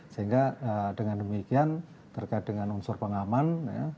sehingga dengan demikian terkait dengan unsur pengaman